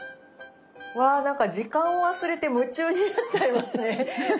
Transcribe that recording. わ何か時間を忘れて夢中になっちゃいますね。